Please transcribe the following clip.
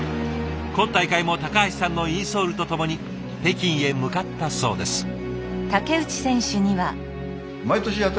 今大会も橋さんのインソールとともに北京へ向かったそうです。